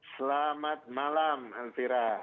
selamat malam hansira